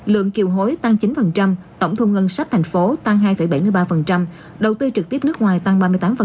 lượng kiều hối tăng chín tổng thu ngân sách thành phố tăng hai bảy mươi ba đầu tư trực tiếp nước ngoài tăng ba mươi tám